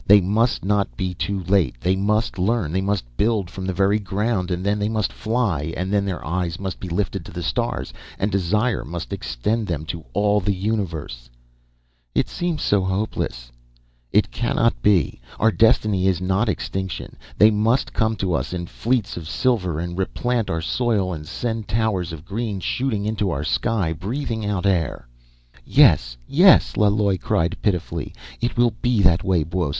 "They must not be too late. They must learn. They must build from the very ground, and then they must fly. And then their eyes must be lifted to the stars, and desire must extend them to all the universe ..." "It seems so hopeless " "It cannot be! Our destiny is not extinction. They must come to us, in fleets of silver, and replant our soil, and send towers of green shooting into our sky, breathing out air." "Yes, yes!" Laloi cried pitifully. "It will be that way, Buos.